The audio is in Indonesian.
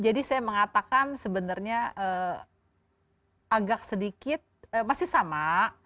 jadi saya mengatakan sebenarnya agak sedikit masih sama